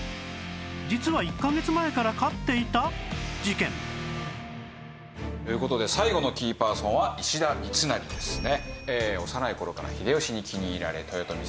実は１カ月前から勝っていた！？事件という事で最後のキーパーソンは石田三成ですね。